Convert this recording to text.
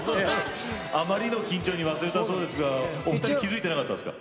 あまりの緊張に忘れたそうですがお二人気付いてなかったんですか？